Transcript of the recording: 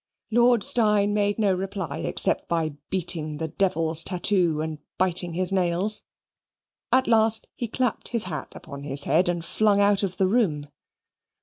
Lord Steyne made no reply except by beating the devil's tattoo and biting his nails. At last he clapped his hat on his head and flung out of the room.